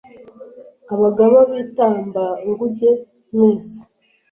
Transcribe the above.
Abagaba b'i Tambanguge mwese